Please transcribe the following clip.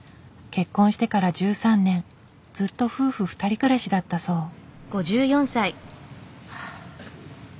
結婚してから１３年ずっと夫婦２人暮らしだったそう。